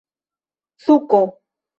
suko